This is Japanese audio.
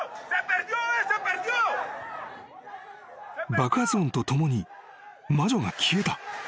［爆発音とともに魔女が消えた］